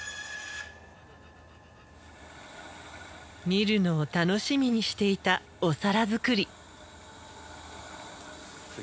見るのを楽しみにしていたお皿作り。